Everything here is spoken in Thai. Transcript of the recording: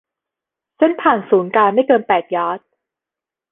เส้นผ่าศูนย์กลางไม่เกินแปดยาร์ด